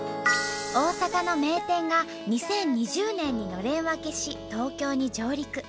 大阪の名店が２０２０年にのれん分けし東京に上陸。